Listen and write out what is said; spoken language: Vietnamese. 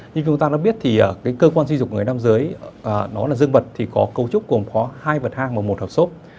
như chúng ta đã biết thì cái cơ quan duy dục người nam giới đó là dương vật thì có cấu trúc gồm có hai vật hang và một hộp xốp